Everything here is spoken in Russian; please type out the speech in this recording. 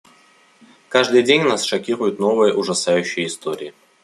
Каждый день нас шокируют новые ужасающие истории.